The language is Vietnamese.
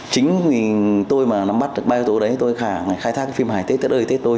chính vì tôi mà nắm bắt được ba yếu tố đấy tôi khai thác phim hài tết tết ơi tết tôi